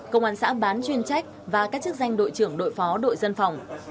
công an xã bán chuyên trách và các chức danh đội trưởng đội phó đội dân phòng